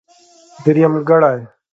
درېمګړی.